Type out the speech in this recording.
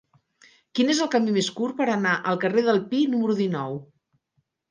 Quin és el camí més curt per anar al carrer del Pi número dinou?